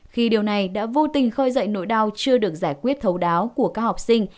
khi điều này đã vô tình khơi dậy nỗi đau chưa được giải quyết thấu đáo của các học sinh